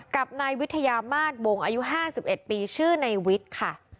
กับนายวิทยามาสวงอายุ๕๑ปีชื่อในวิทย์ค่ะ